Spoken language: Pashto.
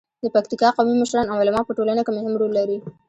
د پکتیکا قومي مشران او علما په ټولنه کې مهم رول لري.